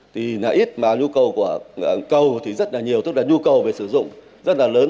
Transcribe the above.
thì là ít mà nhu cầu của cầu thì rất là nhiều tức là nhu cầu về sử dụng rất là lớn